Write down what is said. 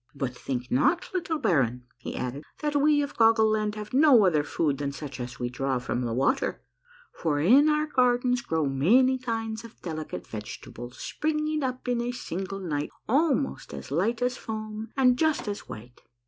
" But think not, little baron," he added, " that we of Goggle Land have no other food than such as we draw from the water ; for in our gardens grow many kinds of delicate vegetables, springing up in a single night almost as light as foam and just as white.